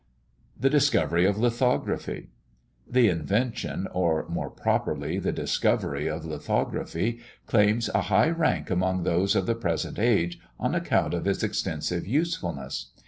THE DISCOVERY OF LITHOGRAPHY. The invention, or more properly the discovery, of lithography, claims a high rank among those of the present age, on account of its extensive usefulness.